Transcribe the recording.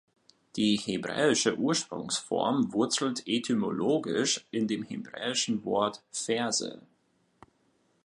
Die hebräische Ursprungsform wurzelt etymologisch in dem hebräischen Wort ‚Ferse‘.